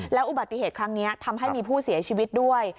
อุบัติเหตุครั้งนี้ทำให้มีผู้เสียชีวิตด้วย